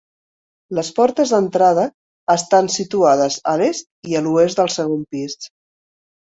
Les portes d'entrada estan situades a l'est i a l'oest al segon pis.